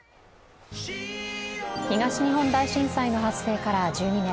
東日本大震災の発生から１２年。